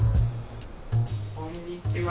こんにちは。